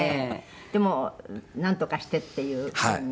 でも、なんとかしてっていうふうに。